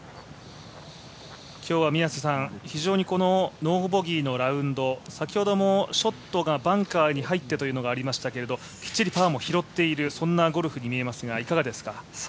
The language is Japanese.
今日は非常にノーボギーのラウンド、先ほどもショットがバンカーに入ってというのがありましたがきっちりパーも拾っているゴルフに見えますが、いかがですか？